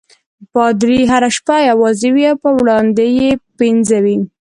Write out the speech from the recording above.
پادري هره شپه یوازې وي او په وړاندې یې پنځه وي.